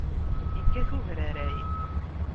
Yekkat ubraray.